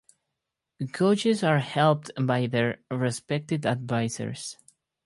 Coaches are helped by their respective advisers.